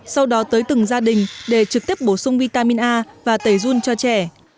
sau đó tới từng gia đình để trực tiếp bổ sung vitamin a và tẩy run cho trẻ